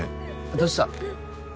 どうした？